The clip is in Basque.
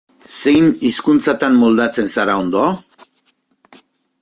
Zein hizkuntzatan moldatzen zara ondo?